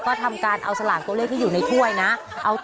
ออกมาแล้วลูกน้ำ